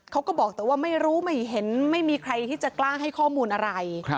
เขาก็บอกแต่ว่าไม่รู้ไม่เห็นไม่มีใครที่จะกล้าให้ข้อมูลอะไร